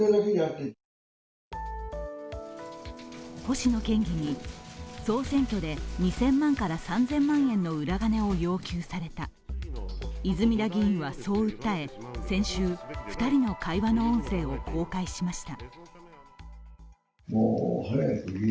星野県議に総選挙で２０００万から３０００万円の裏金を要求された泉田議員はそう訴え、先週、２人の会話の音声を公開しました。